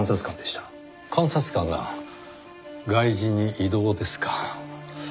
監察官が外事に異動ですか。